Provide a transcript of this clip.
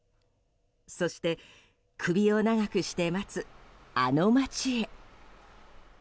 そして首を長くして待つあの街へ。